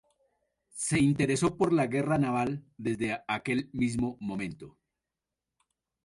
Se interesó por la guerra naval desde aquel mismo momento.